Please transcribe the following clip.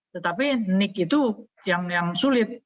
tetapi nick itu yang sulit